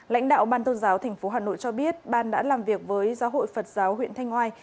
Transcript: lãnh đạo ban tôn giáo tp hà nội cho biết ban đã làm việc với giáo hội phật giáo huyện thanh ngoai